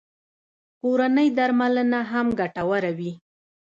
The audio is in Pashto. کورنۍ درملنه هم ګټوره وي